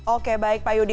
oke baik pak yudi